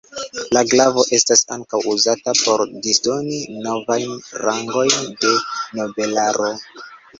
La glavo estas ankaŭ uzata por disdoni novajn rangojn de nobelaro.